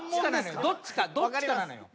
どっちかどっちかなのよ